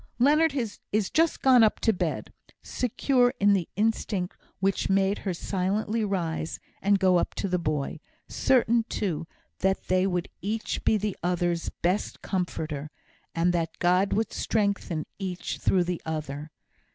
Leonard is just gone up to bed," secure in the instinct which made her silently rise, and go up to the boy certain, too, that they would each be the other's best comforter, and that God would strengthen each through the other.